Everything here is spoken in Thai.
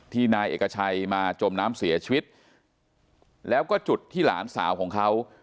นายเอกชัยมาจมน้ำเสียชีวิตแล้วก็จุดที่หลานสาวของเขา